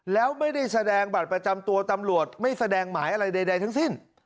แล้วไม่ได้แสดงบัตรประจำตัวตำรวจไม่แสดงหมายอะไรใดทั้งสิ้น